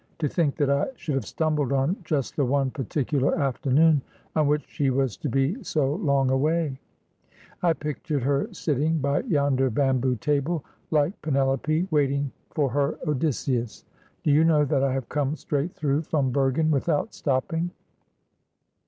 To think that I should have stumbled on just the one particular afternoon on which she was to be so long away ! I pictured her sitting by yonder bamboo table, like Penelope waiting for her Odysseus. Do you know that I have come straight tlirough from Bergen without stop ping